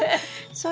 そう。